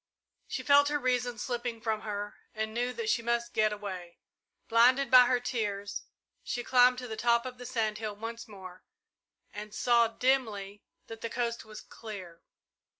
She felt her reason slipping from her and knew that she must get away. Blinded by her tears, she climbed to the top of the sand hill once more, and saw, dimly, that the coast was clear.